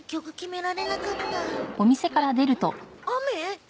雨？